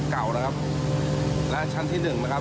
๑นะครับที่๑นะครับหนาค่าเริ่มเป็นตรงท้องช้างนะครับ